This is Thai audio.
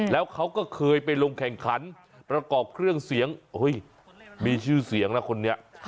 แล้วเขาก็เคยไปลงแข่งขันประกอบเครื่องเสียงมีชื่อเสียงนะคนนี้